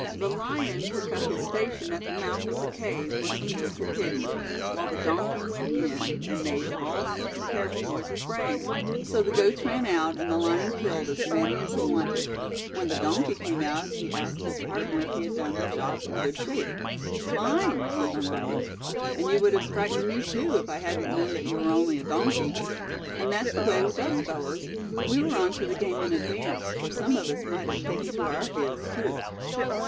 The lion took up his station at the mouth of the cave where some goats had hidden, while the donkey went in; and made all sorts of terrible noises, braying. So the goats ran out, and the lion killed as many as he wanted. When the donkey came out he asked his partner if he had done the job in good shape. 'Fine,' said the lion, 'and you would have frightened me too, if I hadn't known that you were only a donkey.' And that's the way with us, fellows; we were on to the game in advance, or some of us might have taken to our heels too."